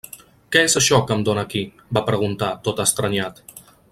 -Què és això que em dóna aquí?- va preguntar, tot estranyat.